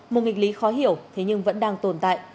một nghịch lý khó hiểu thế nhưng vẫn đang tồn tại